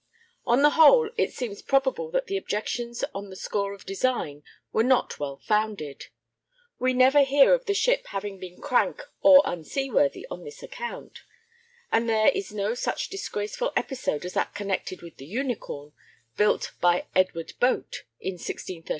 On the whole, it seems probable that the objections on the score of design were not well founded. We never hear of the ship having been crank or unseaworthy on this account, and there is no such disgraceful episode as that connected with the Unicorn, built by Edward Boate in 1633, to be brought up against her.